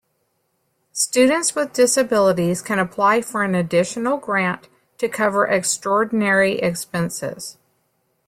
Students with disabilities can apply for an additional grant to cover extraordinary expenses.